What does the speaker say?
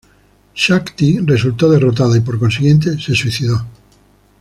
Shaak-Ti resultó derrotada y por consiguiente se suicidó.